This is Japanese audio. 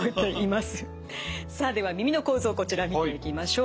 さあでは耳の構造こちら見ていきましょう。